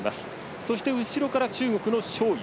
そして、後ろから中国の章勇。